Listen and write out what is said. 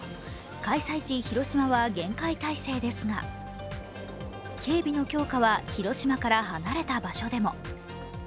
開催地広島は厳戒態勢ですが警備の強化は広島から離れた場所でも。